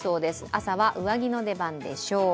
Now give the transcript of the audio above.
朝は上着の出番でしょう。